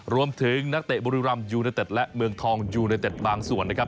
รวมถึงนักเตะบริรัมย์ยูเนอร์เต็ดและเมืองทองยูเนอร์เต็ดบางส่วนนะครับ